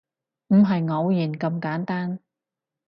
唔係偶然咁簡單